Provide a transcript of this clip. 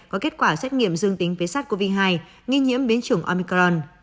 có kết quả xét nghiệm dương tính phế sát covid hai nghi nhiễm biến chủng omicron